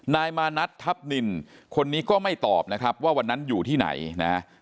นายมานัททัพนินคนนี้ก็ไม่ตอบนะครับว่าวันนั้นอยู่ที่ไหนนะฮะ